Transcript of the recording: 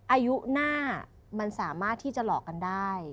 อายุหน้ามันสามารถที่จะหลอกกันได้